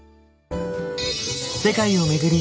世界を巡り